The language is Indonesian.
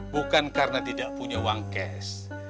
bukan karena tidak punya uang cash